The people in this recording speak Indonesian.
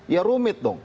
itu umit dong